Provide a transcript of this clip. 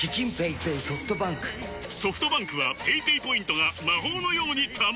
ソフトバンクはペイペイポイントが魔法のように貯まる！